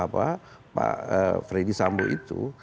pak freddy sambo itu